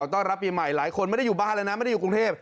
ต้อนรับปีใหม่หลายคนไม่ได้อยู่บ้านแล้วนะไม่ได้อยู่กรุงเทพ